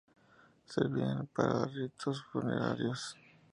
Servían para ritos funerarios.